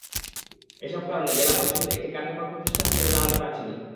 এসব কারণে জেলা পরিষদ একটি কার্যকর প্রতিষ্ঠান হিসেবে দাঁড়াতে পারছে না।